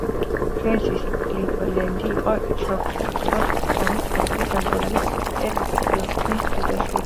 ფრენსის კლივლენდი იყო ჩოქტოს ტომის ყოფილი ხელმძღვანელის, პიტერ პიტლინის ბიძაშვილი.